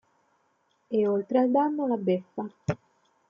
E oltre al danno la beffa.